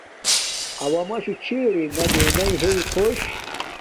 اوݳ مَشُݸ چھݵرَنݳ رَنِنݺ ہݵئ خݸش.